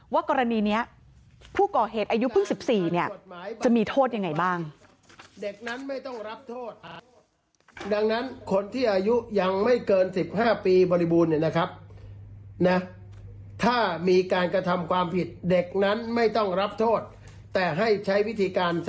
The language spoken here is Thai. กรณีนี้ผู้ก่อเหตุอายุเพิ่ง๑๔เนี่ยจะมีโทษยังไงบ้าง